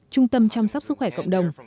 trung tâm chăm sóc sức khỏe cộng đồng